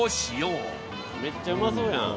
めっちゃうまそうやん。